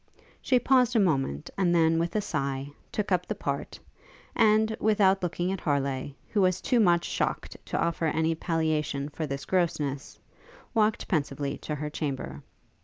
She paused a moment, and then, with a sigh, took up the part, and, without looking at Harleigh, who was too much shocked to offer any palliation for this grossness, walked pensively to her chamber.